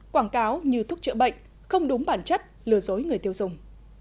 quảng cáo như thuốc chữa bệnh không đúng bản chất lừa dối người tiêu dùng